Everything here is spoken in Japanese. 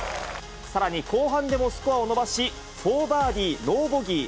さらに後半でもスコアを伸ばし、４バーディー、ノーボギー。